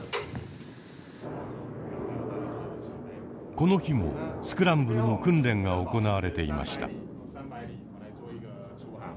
この日もスクランブルの訓練が行われていました。